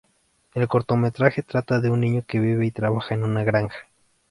El cortometraje trata de un niño que vive y trabaja en una granja.